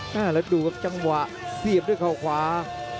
แล้วดูครับจังหวะเสียบด้วยเขาขวา